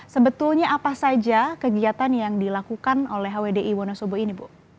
sebetulnya apa saja kegiatan yang dilakukan oleh hwdi wonosobo ini bu